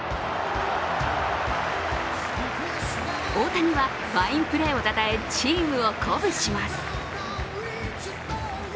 大谷はファインプレーをたたえ、チームを鼓舞します。